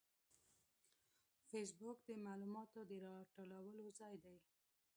فېسبوک د معلوماتو د راټولولو ځای دی